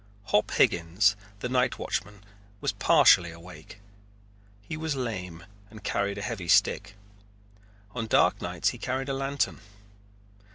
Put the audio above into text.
Hop Higgins, the night watchman, was partially awake. He was lame and carried a heavy stick. On dark nights he carried a lantern.